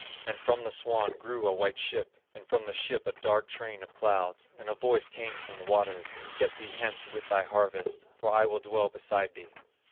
And from the swan grew a white ship, and from the ship a dark train of clouds; and a voice came from the waters: 'Get thee hence with thy harvest, for I will dwell beside thee.